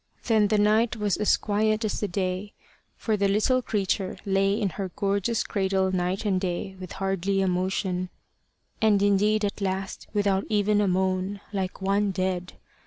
Then the night was quiet as the day, for the little creature lay in her gorgeous cradle night and day with hardly a motion, and indeed at last without even a moan, like one dead.